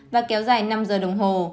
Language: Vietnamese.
và kéo dài năm giờ đồng hồ